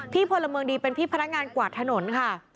พลเมืองดีเป็นพี่พนักงานกวาดถนนค่ะ